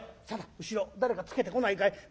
定後ろ誰かつけてこないかい？